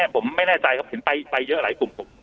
ผมไม่แน่ใจครับเห็นไปเยอะหลายกลุ่ม